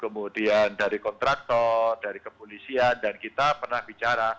kemudian dari kontraktor dari kepolisian dan kita pernah bicara